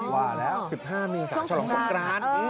ว่าแล้ว๑๕เมษาฉลองสงกราน